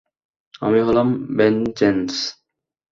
আমি হলাম ভেনজেন্স।